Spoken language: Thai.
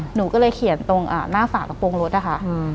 หนูก็เลยเขียนตรงอะหน้าศาสตร์กระโปรงรถอะค่ะอืม